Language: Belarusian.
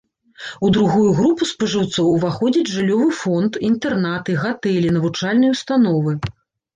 У другую групу спажыўцоў уваходзіць жыллёвы фонд, інтэрнаты, гатэлі, навучальныя ўстановы.